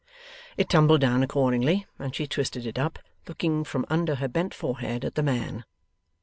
It tumbled down accordingly, and she twisted it up, looking from under her bent forehead at the man.